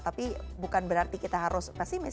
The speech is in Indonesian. tapi bukan berarti kita harus pesimis